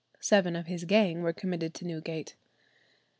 Seven of his gang were committed to Newgate.